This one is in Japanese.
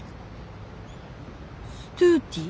ストゥーティー。